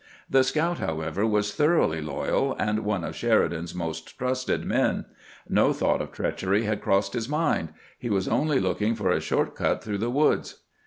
The scout, however, was thoroughly loyal, and one of Sheri dan's most trusted men ; no thought of treachery had crossed his mind ; he was only looking for a short 456 CAMPAIGNING WITH GEANT cut through the woods.